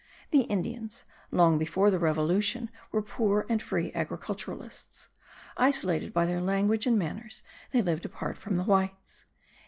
The Indians, long before the revolution, were poor and free agriculturists; isolated by their language and manners they lived apart from the whites.